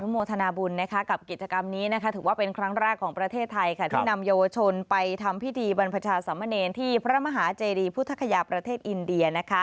โมทนาบุญกับกิจกรรมนี้ถือว่าเป็นครั้งแรกของประเทศไทยที่นำเยาวชนไปทำพิธีบรรพชาสมเนรที่พระมหาเจดีพุทธคยาประเทศอินเดีย